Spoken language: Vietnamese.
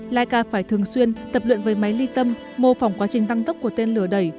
laika phải thường xuyên tập luyện với máy ly tâm mô phỏng quá trình tăng tốc của tên lửa đẩy